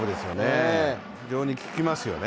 非常にききますよね。